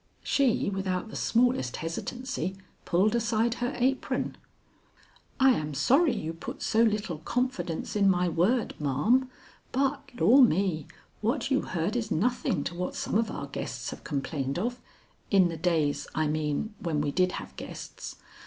She, without the smallest hesitancy, pulled aside her apron. "I am sorry you put so little confidence in my word, ma'am, but Lor' me, what you heard is nothing to what some of our guests have complained of in the days, I mean, when we did have guests.